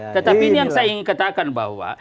tetapi ini yang saya ingin katakan bahwa